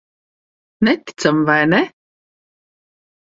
Neticami, vai ne?